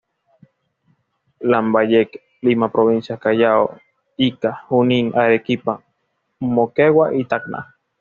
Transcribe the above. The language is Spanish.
Lambayeque, Lima Provincias, Callao, Ica, Junín, Arequipa, Moquegua y Tacna.